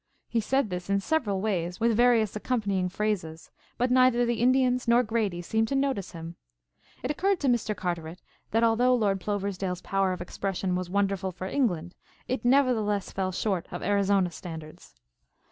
He said this in several ways with various accompanying phrases, but neither the Indians nor Grady seemed to notice him. It occurred to Mr. Carteret that although Lord Ploversdale's power of expression was wonderful for England, it, nevertheless, fell short of Arizona standards.